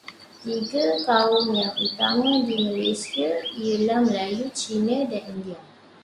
Tiga kaum yang utama di Malaysia ialah Melayu, Cina dan India.